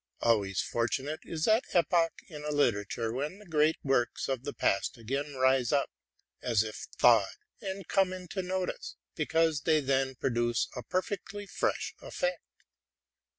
Always fortunate is that epoch in a literature when the great works of the past rise up again as if thawed, and come into notice ; because they then produce a perfectly fresh effect.